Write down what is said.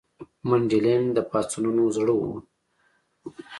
منډلینډ د پاڅونونو زړه وو.